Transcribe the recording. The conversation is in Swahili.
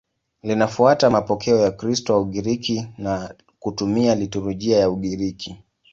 Linafuata mapokeo ya Ukristo wa Ugiriki na kutumia liturujia ya Ugiriki.